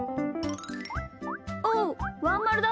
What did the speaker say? おっワンまるだ。